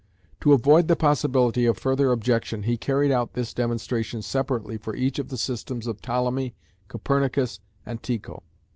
To avoid the possibility of further objection he carried out this demonstration separately for each of the systems of Ptolemy, Copernicus, and Tycho.